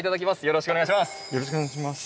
よろしくお願いします。